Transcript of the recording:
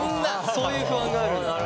そういう不安があるんだ。